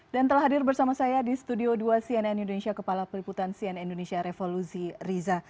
dan telah hadir bersama saya di studio dua cnn indonesia kepala peliputan cnn indonesia revolusi riza